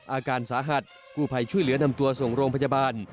อาการสาหัสกู้ภัยช่วยเหลือนำตัวส่งโรงพยาบาล